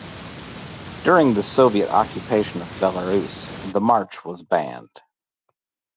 During the Soviet occupation of Belarus, the March was banned.